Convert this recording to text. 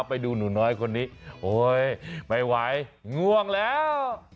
ไปดูหนูน้อยคนนี้โอ๊ยไม่ไหวง่วงแล้ว